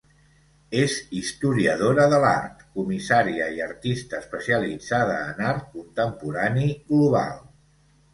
És historiadora de l'art, comissària i artista especialitzada en art contemporani global.